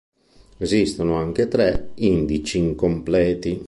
Esistono anche tre indici incompleti.